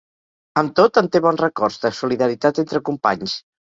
Amb tot, en té bons records, de solidaritat entre companys.